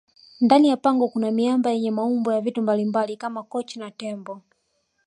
ndani ya pango Kuna miamba yenye maumbo ya vitu mbalimbali Kama kochi na tembo